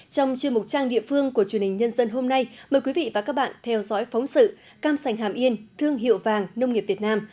trong chương mục trang địa phương của truyền hình nhân dân hôm nay mời quý vị và các bạn theo dõi phóng sự cam sành hàm yên thương hiệu vàng nông nghiệp việt nam